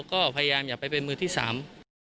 ก็พยายามอย่าไปเป็นมือที่สาม